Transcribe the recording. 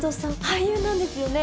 俳優なんですよね？